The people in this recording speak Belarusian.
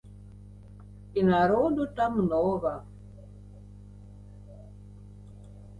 І народу там многа.